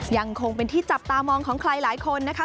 ยังคงเป็นที่จับตามองของใครหลายคนนะคะ